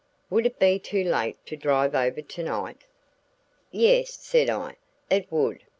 Would it be too late to drive over to night?" "Yes," said I, "it would."